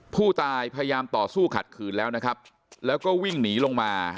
ผู้ตายพยายามต่อสู้ขัดขืนแล้วนะครับแล้วก็วิ่งหนีลงมา